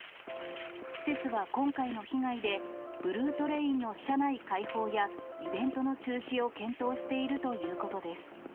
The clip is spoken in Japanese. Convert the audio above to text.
施設は今回の被害で、ブルートレインの車内開放や、イベントの中止を検討しているということです。